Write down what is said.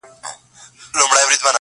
کښتۍ وان یم له څپو سره چلېږم،